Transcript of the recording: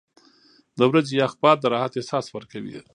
• د ورځې یخ باد د راحت احساس ورکوي.